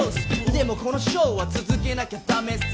でもこのショーは続けなきゃダメッス